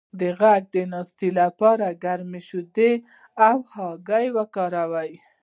د غږ د ناستې لپاره ګرمې شیدې او هګۍ وخورئ